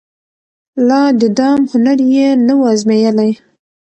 لا د دام هنر یې نه وو أزمېیلی